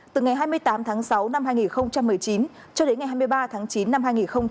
từ ngày hai mươi tám tháng sáu năm hai nghìn một mươi chín cho đến ngày hai mươi ba tháng chín năm hai nghìn hai mươi